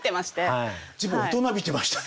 随分大人びてましたね。